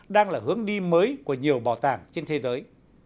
đang là hướng đi mới của nhiều bảo tàng trên thế giới